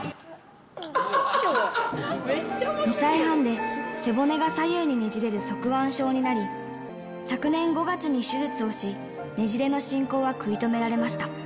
２歳半で背骨が左右にねじれる側弯症になり、昨年５月に手術をし、ねじれの進行は食い止められました。